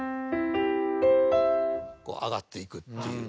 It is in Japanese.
こう上がっていくっていう。